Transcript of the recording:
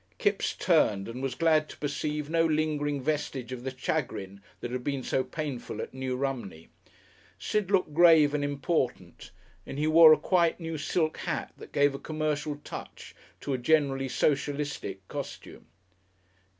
Kipps turned, and was glad to perceive no lingering vestige of the chagrin that had been so painful at New Romney. Sid looked grave and important, and he wore a quite new silk hat that gave a commercial touch to a generally socialistic costume.